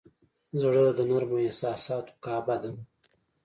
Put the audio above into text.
زړه د نرمو احساساتو کعبه ده.